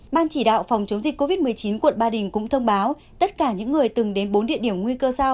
ban chỉ đạo phòng chống dịch covid một mươi chín quận ba đình cũng thông báo tất cả những người từng đến bốn địa điểm nguy cơ sao